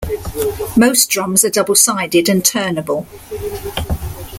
Most drums are double-sided and turnable.